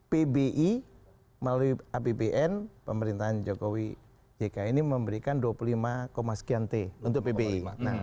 pbi melalui apbn pemerintahan jokowi jk ini memberikan dua puluh lima sekian t untuk pbi